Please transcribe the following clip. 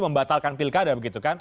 membatalkan pilkada begitu kan